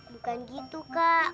bukan gitu kak